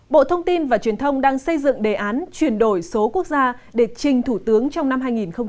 bộ thông tin và truyền thông đang xây dựng đề án chuyển đổi số quốc gia để trình thủ tướng trong năm hai nghìn hai mươi